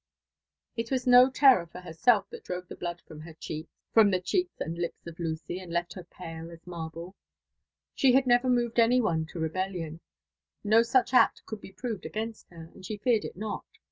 It was no terror for herself that drove the blood from the cheeks and lips of Lucy, and left her pale^ as marble. She had never moved any one to rebellion ; no such act could be proved against her, and she feared it not.